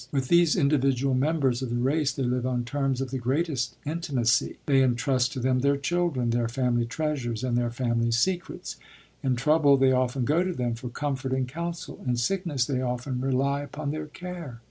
With these individual members of the race they live on terms of the greatest intimacy; they entrust to them their children, their family treasures, and their family secrets; in trouble they often go to them for comfort and counsel; in sickness they often rely upon their care.